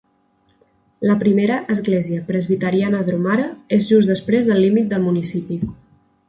La Primera Església Presbiteriana Dromara és just després del límit del municipi.